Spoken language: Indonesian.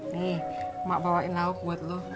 nih emak bawain lauk buat lo